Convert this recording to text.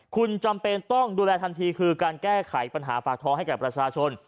คุณจำเป็นต้องดูแลทันทีคือการแก้ไขปัญหาปากท้องให้กับประชาชน